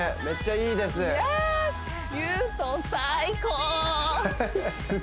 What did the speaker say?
めっちゃいいですイエス！